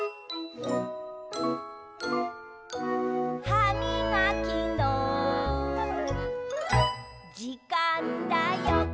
「はみがきのじかんだよ！」